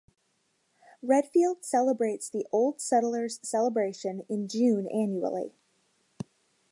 Redfield celebrates the Old Settlers Celebration in June annually.